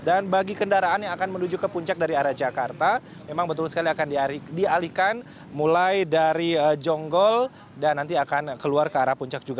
dan bagi kendaraan yang akan menuju ke puncak dari arah jakarta memang betul sekali akan dialihkan mulai dari jonggol dan nanti akan keluar ke arah puncak juga